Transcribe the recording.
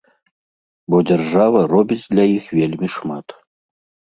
Бо дзяржава робіць для іх вельмі шмат.